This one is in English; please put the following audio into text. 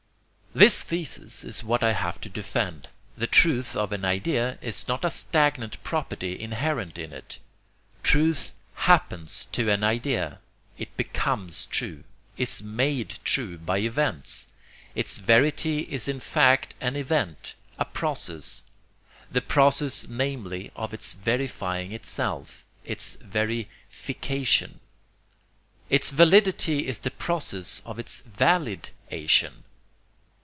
This thesis is what I have to defend. The truth of an idea is not a stagnant property inherent in it. Truth HAPPENS to an idea. It BECOMES true, is MADE true by events. Its verity is in fact an event, a process: the process namely of its verifying itself, its veri FICATION. Its validity is the process of its valid ATION.